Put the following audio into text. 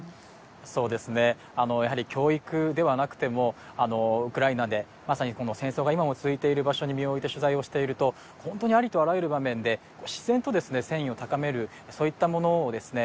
そうですねあのやはり教育ではなくてもあのウクライナでまさにこの戦争が今も続いている場所に身を置いて取材をしているとホントにありとあらゆる場面で自然とですね戦意を高めるそういったものをですね